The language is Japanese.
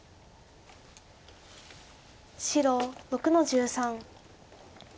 白６の十三。